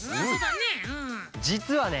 じつはね